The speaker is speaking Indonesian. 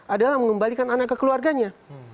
adalah mengembalikan anak ke keluarganya